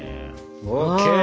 ＯＫ！